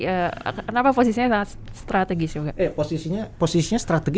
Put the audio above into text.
kenapa posisinya sangat strategis